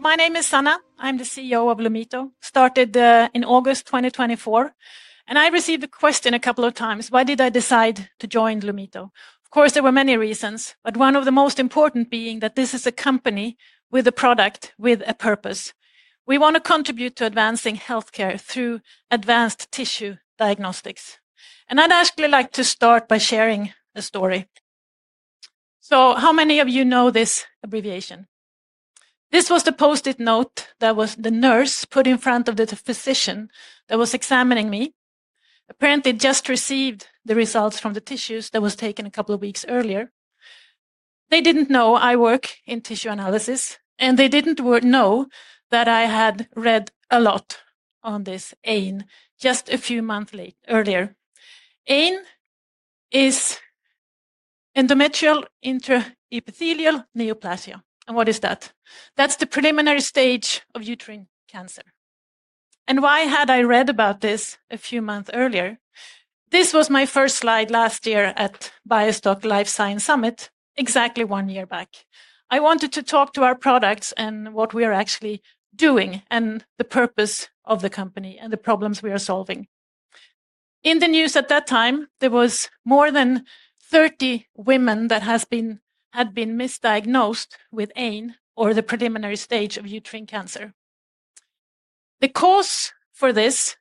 My name is Sanna. I'm the CEO of Lumito, started in August 2024. I received a question a couple of times: Why did I decide to join Lumito? Of course, there were many reasons, but one of the most important being that this is a company with a product, with a purpose. We want to contribute to advancing healthcare through advanced tissue diagnostics. I'd actually like to start by sharing a story. How many of you know this abbreviation? This was the post-it note that the nurse put in front of the physician that was examining me, apparently just received the results from the tissues that were taken a couple of weeks earlier. They didn't know I work in tissue analysis, and they didn't know that I had read a lot on this EIN just a few months earlier. EIN is Endometrial Intraepithelial Neoplasia. What is that? That is the preliminary stage of uterine cancer. Why had I read about this a few months earlier? This was my first slide last year at BioStock Life Science Summit, exactly one year back. I wanted to talk to our products and what we are actually doing and the purpose of the company and the problems we are solving. In the news at that time, there were more than 30 women that had been misdiagnosed with EIN or the preliminary stage of uterine cancer. The cause for this,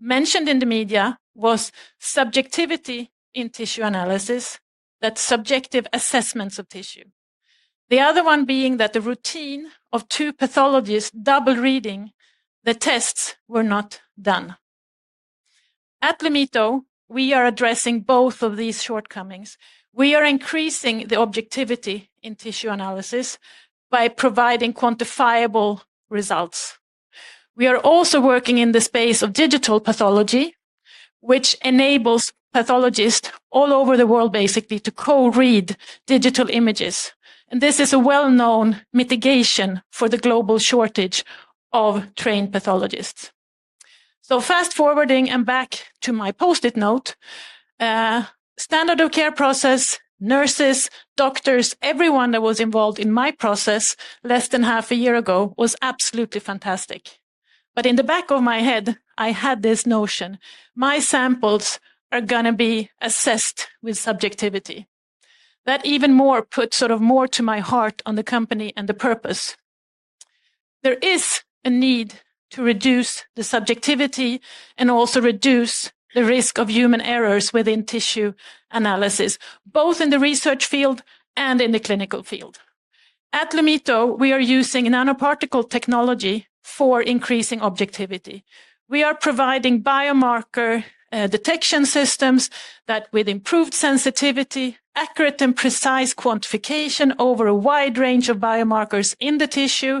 mentioned in the media, was subjectivity in tissue analysis, that subjective assessments of tissue. The other one being that the routine of two pathologists double-reading the tests was not done. At Lumito, we are addressing both of these shortcomings. We are increasing the objectivity in tissue analysis by providing quantifiable results. We are also working in the space of digital pathology, which enables pathologists all over the world basically to co-read digital images. This is a well-known mitigation for the global shortage of trained pathologists. Fast forwarding and back to my post-it note, standard of care process, nurses, doctors, everyone that was involved in my process less than half a year ago was absolutely fantastic. In the back of my head, I had this notion: My samples are going to be assessed with subjectivity. That even more put sort of more to my heart on the company and the purpose. There is a need to reduce the subjectivity and also reduce the risk of human errors within tissue analysis, both in the research field and in the clinical field. At Lumito, we are using nanoparticle technology for increasing objectivity. We are providing biomarker detection systems that, with improved sensitivity, accurate and precise quantification over a wide range of biomarkers in the tissue,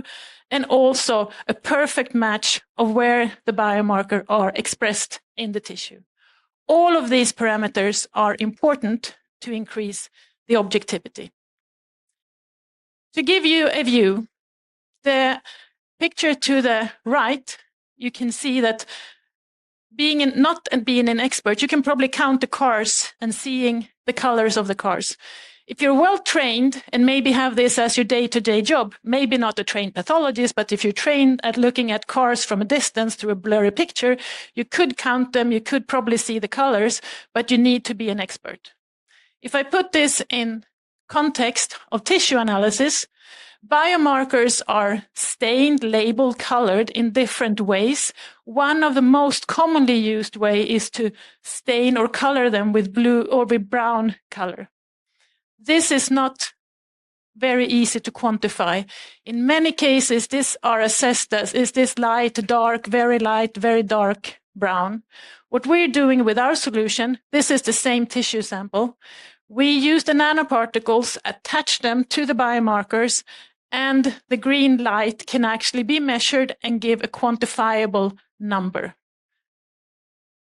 and also a perfect match of where the biomarker is expressed in the tissue. All of these parameters are important to increase the objectivity. To give you a view, the picture to the right, you can see that being not being an expert, you can probably count the cars and see the colors of the cars. If you're well-trained and maybe have this as your day-to-day job, maybe not a trained pathologist, but if you're trained at looking at cars from a distance through a blurry picture, you could count them, you could probably see the colors, but you need to be an expert. If I put this in context of tissue analysis, biomarkers are stained, labeled, colored in different ways. One of the most commonly used ways is to stain or color them with blue or with brown color. This is not very easy to quantify. In many cases, this is assessed as this light, dark, very light, very dark brown. What we're doing with our solution, this is the same tissue sample. We use the nanoparticles, attach them to the biomarkers, and the green light can actually be measured and give a quantifiable number.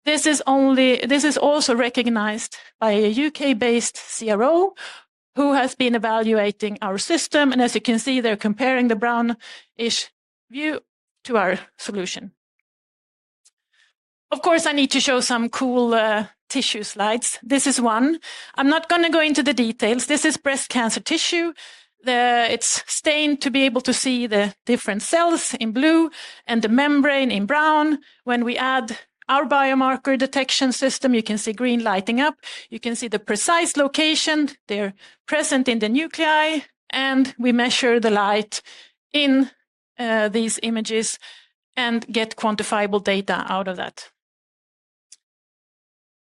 This is also recognized by a U.K.-based CRO who has been evaluating our system. As you can see, they're comparing the brown-ish view to our solution. Of course, I need to show some cool tissue slides. This is one. I'm not going to go into the details. This is breast cancer tissue. It's stained to be able to see the different cells in blue and the membrane in brown. When we add our biomarker detection system, you can see green lighting up. You can see the precise location. They're present in the nuclei, and we measure the light in these images and get quantifiable data out of that.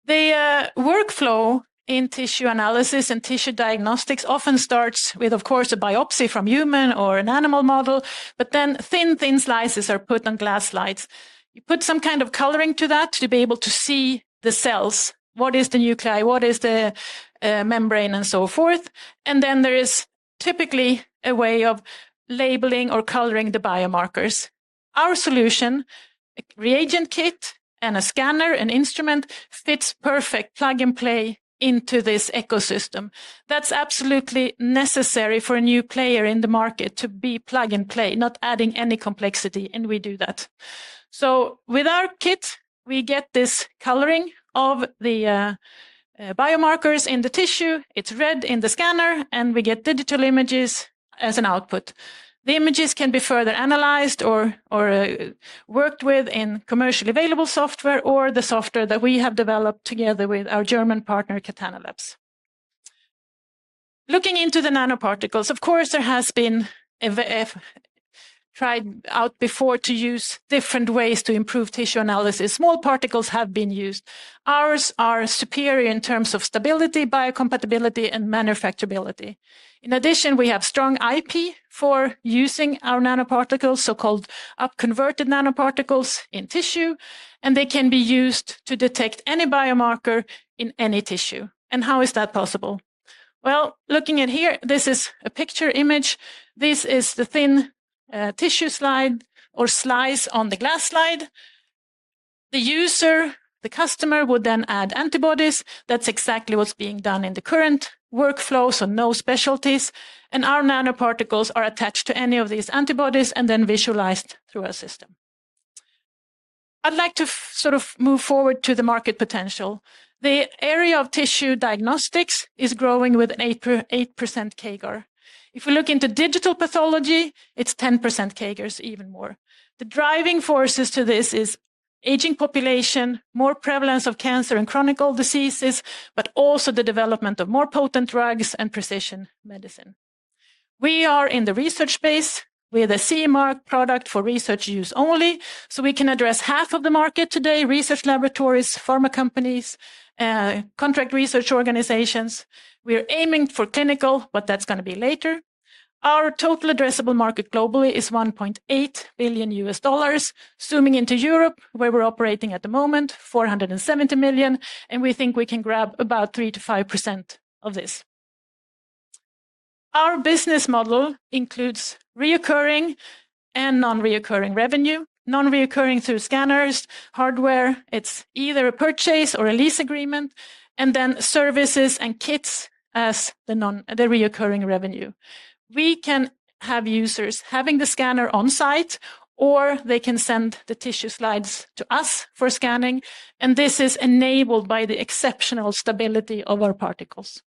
The workflow in tissue analysis and tissue diagnostics often starts with, of course, a biopsy from a human or an animal model, but then thin, thin slices are put on glass slides. You put some kind of coloring to that to be able to see the cells, what is the nuclei, what is the membrane, and so forth. There is typically a way of labeling or coloring the biomarkers. Our solution, a reagent kit and a scanner, an instrument, fits perfect plug and play into this ecosystem. That's absolutely necessary for a new player in the market to be plug and play, not adding any complexity, and we do that. With our kit, we get this coloring of the biomarkers in the tissue. It's read in the scanner, and we get digital images as an output. The images can be further analyzed or worked with in commercially available software or the software that we have developed together with our German partner, Katana Labs. Looking into the nanoparticles, of course, there has been tried out before to use different ways to improve tissue analysis. Small particles have been used. Ours are superior in terms of stability, biocompatibility, and manufacturability. In addition, we have strong IP for using our nanoparticles, so-called up-converted nanoparticles in tissue, and they can be used to detect any biomarker in any tissue. How is that possible? Looking at here, this is a picture image. This is the thin tissue slide or slice on the glass slide. The user, the customer, would then add antibodies. That's exactly what's being done in the current workflow, so no specialties. Our nanoparticles are attached to any of these antibodies and then visualized through our system. I'd like to sort of move forward to the market potential. The area of tissue diagnostics is growing with an 8% CAGR. If we look into digital pathology, it's 10% CAGR, even more. The driving forces to this are aging population, more prevalence of cancer and chronic diseases, but also the development of more potent drugs and precision medicine. We are in the research space. We have a CE mark product for research use only, so we can address half of the market today: research laboratories, pharma companies, contract research organizations. We're aiming for clinical, but that's going to be later. Our total addressable market globally is $1.8 billion. Zooming into Europe, where we're operating at the moment, $470 million, and we think we can grab about 3-5% of this. Our business model includes recurring and non-recurring revenue, non-recurring through scanners, hardware. It's either a purchase or a lease agreement, and then services and kits as the non-recurring revenue. We can have users having the scanner onsite, or they can send the tissue slides to us for scanning, and this is enabled by the exceptional stability of our particles.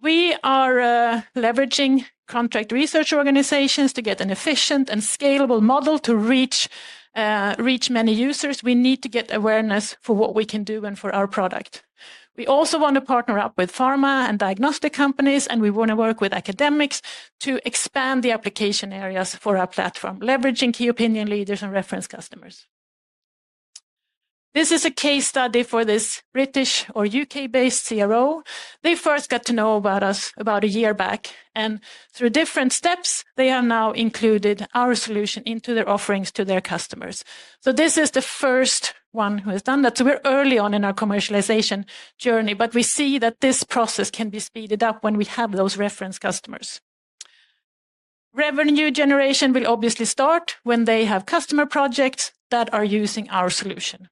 We are leveraging contract research organizations to get an efficient and scalable model to reach many users. We need to get awareness for what we can do and for our product. We also want to partner up with pharma and diagnostic companies, and we want to work with academics to expand the application areas for our platform, leveraging key opinion leaders and reference customers. This is a case study for this British or U.K.-based CRO. They first got to know about us about a year back, and through different steps, they have now included our solution into their offerings to their customers. This is the first one who has done that. We are early on in our commercialization journey, but we see that this process can be speeded up when we have those reference customers. Revenue generation will obviously start when they have customer projects that are using our solution.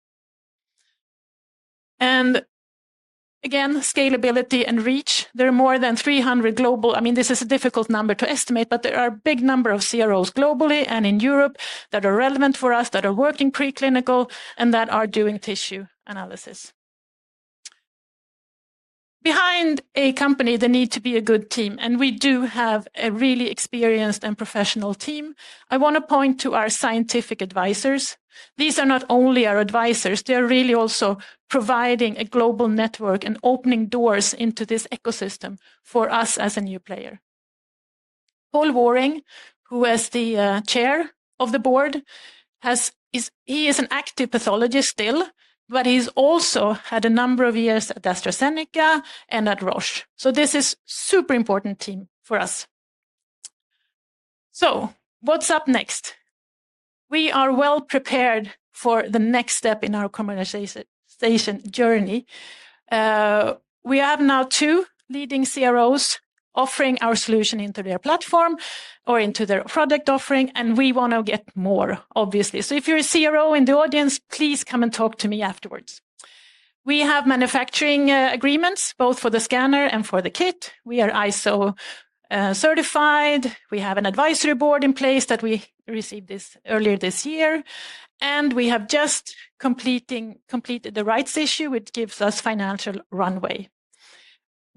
Again, scalability and reach. There are more than 300 global—I mean, this is a difficult number to estimate, but there are a big number of CROs globally and in Europe that are relevant for us, that are working preclinical and that are doing tissue analysis. Behind a company, there needs to be a good team, and we do have a really experienced and professional team. I want to point to our scientific advisors. These are not only our advisors; they are really also providing a global network and opening doors into this ecosystem for us as a new player. Paul Waring, who is the Chair of the Board, he is an active pathologist still, but he's also had a number of years at AstraZeneca and at Roche. This is a super important team for us. What's up next? We are well prepared for the next step in our commercialization journey. We have now two leading CROs offering our solution into their platform or into their product offering, and we want to get more, obviously. If you're a CRO in the audience, please come and talk to me afterwards. We have manufacturing agreements both for the scanner and for the kit. We are ISO-certified. We have an advisory board in place that we received earlier this year, and we have just completed the rights issue, which gives us financial runway.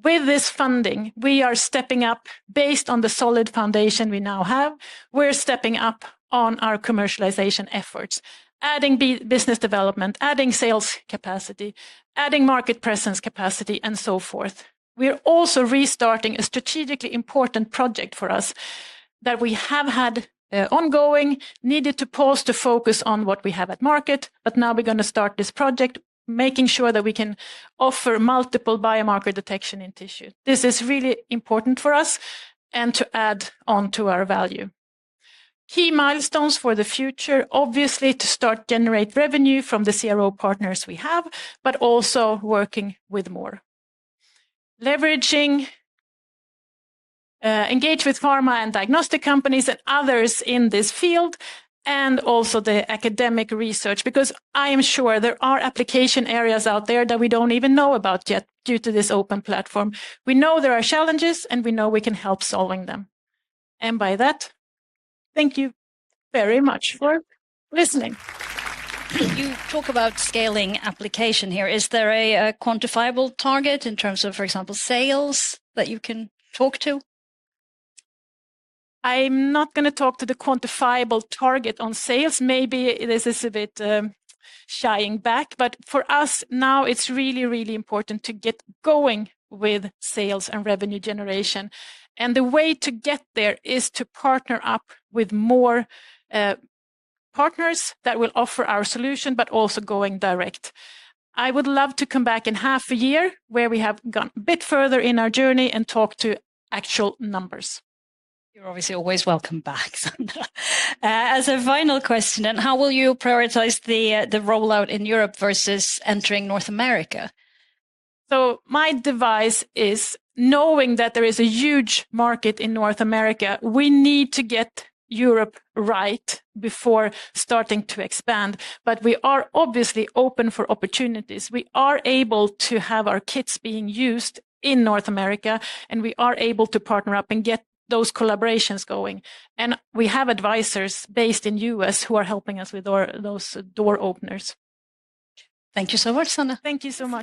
With this funding, we are stepping up based on the solid foundation we now have. We're stepping up on our commercialization efforts, adding business development, adding sales capacity, adding market presence capacity, and so forth. We're also restarting a strategically important project for us that we have had ongoing, needed to pause to focus on what we have at market, but now we're going to start this project, making sure that we can offer multiple biomarker detection in tissue. This is really important for us and to add on to our value. Key milestones for the future, obviously, to start generating revenue from the CRO partners we have, but also working with more. Leveraging, engage with pharma and diagnostic companies and others in this field, and also the academic research, because I am sure there are application areas out there that we don't even know about yet due to this open platform. We know there are challenges, and we know we can help solving them. By that, thank you very much for listening. You talk about scaling application here. Is there a quantifiable target in terms of, for example, sales that you can talk to? I'm not going to talk to the quantifiable target on sales. Maybe this is a bit shying back, but for us now, it's really, really important to get going with sales and revenue generation. The way to get there is to partner up with more partners that will offer our solution, but also going direct. I would love to come back in half a year where we have gone a bit further in our journey and talk to actual numbers. You're obviously always welcome back. As a final question, how will you prioritize the rollout in Europe versus entering North America? My advice is, knowing that there is a huge market in North America, we need to get Europe right before starting to expand. We are obviously open for opportunities. We are able to have our kits being used in North America, and we are able to partner up and get those collaborations going. We have advisors based in the U.S. who are helping us with those door openers. Thank you so much, Sanna. Thank you so much.